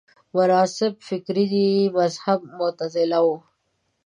مناسب فکري مذهب معتزله وه